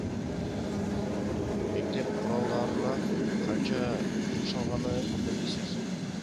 Мектеп куралдарына канча жумшалганы белгисиз.